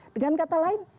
dengan kata lain